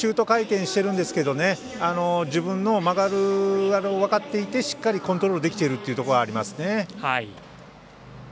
少しシュート回転しているんですが自分の曲がりを分かっていてしっかりコントロールできているというのがありますね。